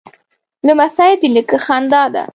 لمسی د نیکه خندا ده.